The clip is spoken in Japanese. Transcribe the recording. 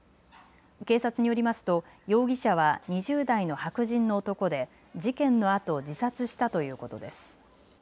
警察によりますと容疑者は２０代の白人の男で事件のあと自殺したということです。